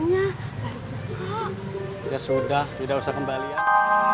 ya sudah tidak usah kembalian